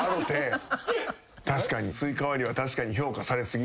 スイカ割りは確かに評価され過ぎですね。